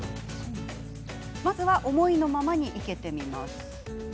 まずは思いのままに生けてみます。